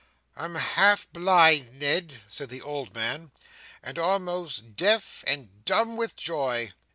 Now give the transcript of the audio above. "I'm half blind, Ned," said the old man, "and almost deaf and dumb with joy."